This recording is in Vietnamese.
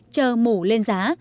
chờ mù lên giá